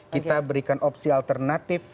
kita berikan opsi alternatif